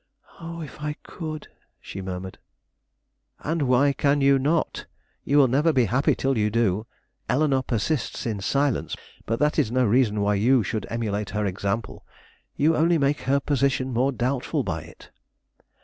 "Oh, if I could!" she murmured. "And why can you not? You will never be happy till you do. Eleanore persists in silence; but that is no reason why you should emulate her example. You only make her position more doubtful by it."